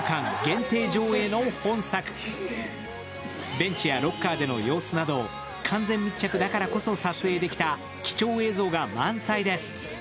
ベンチやロッカーでの様子など、完全密着だからこそ撮影できた貴重映像が満載です。